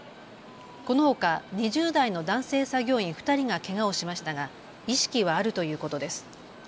このほか２０代の男性作業員２人がけがをしましたが意識はあるということです。